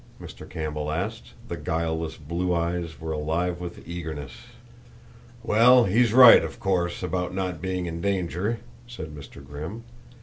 Mr. Campbell asked. The guileless blue eyes were alive with eagerness. "Well, he's right, of course, about not being in danger," said Mr. Grimm.